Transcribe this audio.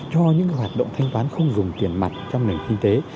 cho những hoạt động thanh toán không dùng tiền mặt trong nền kinh tế